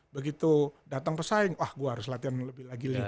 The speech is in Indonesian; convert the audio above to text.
begitu datang pesaing wah gue harus latihan lebih lagi